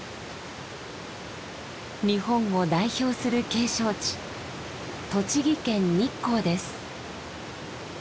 日本を代表する景勝地栃木県日光です。